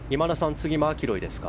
次はマキロイですか。